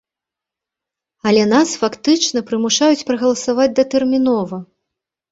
Але нас фактычна прымушаюць прагаласаваць датэрмінова!